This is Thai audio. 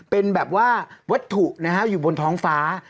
เป็นแบบว่าวัตถุนะฮะอยู่บนท้องฟ้า